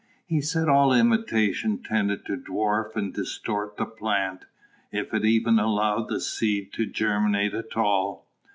He said all imitation tended to dwarf and distort the plant, if it even allowed the seed to germinate at all.